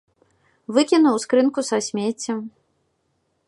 Выкінуў ў скрынку са смеццем.